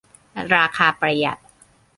ราคาประหยัด